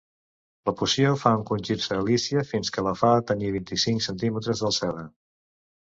La poció fa encongir-se Alícia fins que la fa tenir vint-i-cinc centímetres d'alçada.